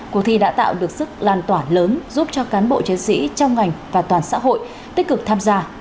cuộc thi đã tạo được sức lan tỏa lớn giúp cho cán bộ chiến sĩ trong ngành và toàn xã hội tích cực tham gia